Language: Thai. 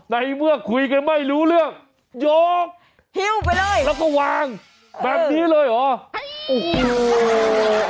ในเมื่อคุยกันไม่รู้เรื่องยกแล้วก็วางแบบนี้เลยหรอ